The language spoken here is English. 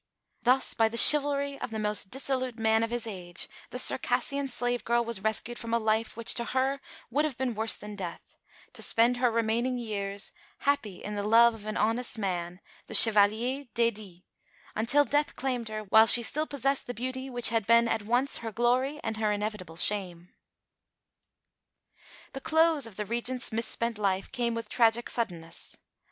Thus by the chivalry of the most dissolute man of his age the Circassian slave girl was rescued from a life which to her would have been worse than death to spend her remaining years, happy in the love of an honest man, the Chevalier d'Aydie, until death claimed her while she still possessed the beauty which had been at once her glory and her inevitable shame. The close of the Regent's mis spent life came with tragic suddenness.